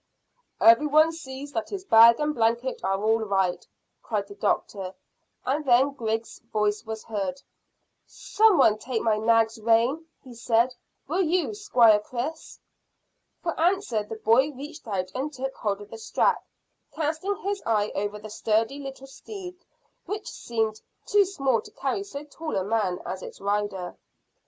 "Every one see that his bag and blanket are all right," cried the doctor; and then Griggs' voice was heard. "Some one take my nag's rein," he said. "Will you, Squire Chris?" For answer the boy reached out and took hold of the strap, casting his eye over the sturdy little steed, which seemed too small to carry so tall a man as its rider.